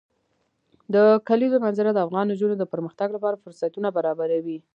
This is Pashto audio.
د کلیزو منظره د افغان نجونو د پرمختګ لپاره فرصتونه برابروي.